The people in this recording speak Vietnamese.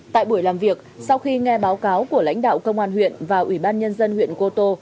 tại buổi làm việc sau khi nghe báo cáo của lãnh đạo công an huyện và ủy ban nhân dân huyện cô tô